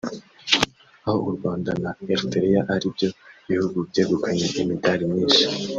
aho u Rwanda na Eritrea ari byo bihugu byegukanye imidari myinshi